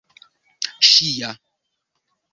ŝia